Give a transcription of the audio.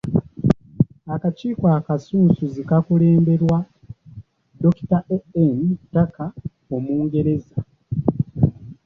Akakiiko akasunsuzi kaakulemberwa Dr. A.N.Tucker Omungereza.